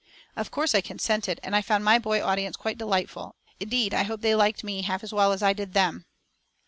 Of course I consented, and I found my boy audience quite delightful. Indeed, I hope they liked me half as well as I did them.